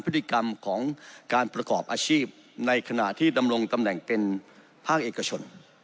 พฤติกรรมของการประกอบอาชีพในขณะที่ดำรงตำแหน่งเป็นภาคเอกชน